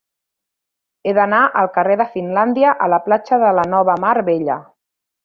He d'anar del carrer de Finlàndia a la platja de la Nova Mar Bella.